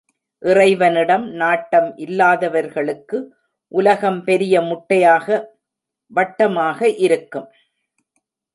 இறைவனிடம் நாட்டம் இல்லாதவர்களுக்கு உலகம் பெரிய முட்டையாக வட்டமாக இருக்கும்.